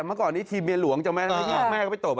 เมื่อก่อนนี้ทีมเมียหลวงจำไหมแม่ก็ไปตบ